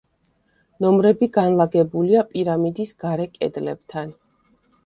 ნომრები განლაგებულია „პირამიდის“ გარე კედლებთან.